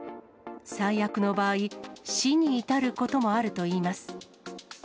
最悪の場合、死に至ることもあるといいます。